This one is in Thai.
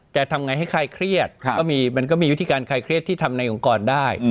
ทำไงให้ใครเครียดมันก็มีวิธีการคลายเครียดที่ทำในองค์กรได้